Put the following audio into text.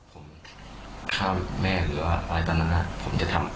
ผมฆ่าแม่หรือว่าอะไรตอนนั้นผมจะทำ